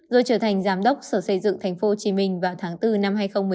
rồi trở thành giám đốc sở xây dựng tp hcm vào tháng bốn năm hai nghìn một mươi năm